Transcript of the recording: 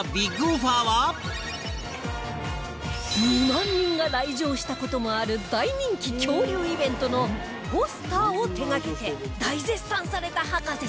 ２万人が来場した事もある大人気恐竜イベントのポスターを手掛けて大絶賛された博士ちゃん